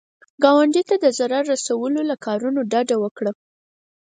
ګاونډي ته د ضرر رسولو له کارونو ډډه وکړه